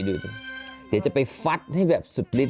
เดี๋ยวจะไปฟัดได้แบบสุดฤทธิ์